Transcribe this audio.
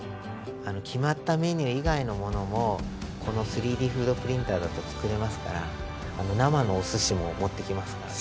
決まったメニュー以外のものもこの３Ｄフードプリンターだと作れますから生のおすしも持っていけますからね。